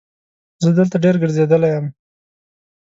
زه دلته ډېر ګرځېدلی یم.